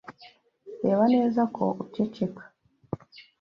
Reba neza ko uceceka.